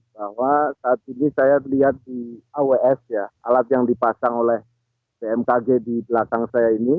bahwa saat ini saya lihat di aws ya alat yang dipasang oleh bmkg di belakang saya ini